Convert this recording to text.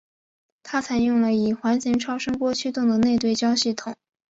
它采用了以环形超声波驱动的内对焦系统。